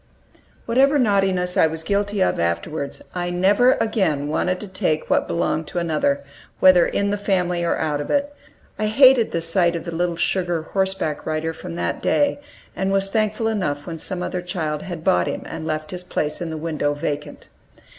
Whatever naughtiness I was guilty of afterwards, I never again wanted to take what belonged to another, whether in the family or out of it. I hated the sight of the little sugar horseback rider from that day, and was thankful enough when some other child had bought him and left his place in the window vacant.